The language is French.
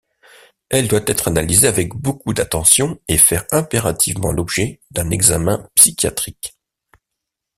Elle doit être analysée avec beaucoup d'attention et faire impérativement l'objet d'un examen psychiatrique.